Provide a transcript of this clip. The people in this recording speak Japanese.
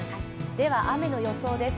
では雨の予想です。